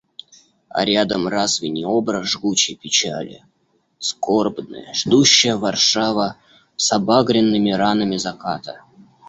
А рядом разве не образ жгучей печали, скорбная, ждущая Варшава, с обагренными ранами заката?